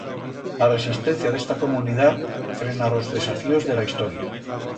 A resistencia d'esta comunidat frent a ros desafíos de ra historia.